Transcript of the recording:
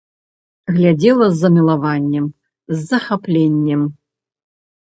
Глядзела з замілаваннем, з захапленнем.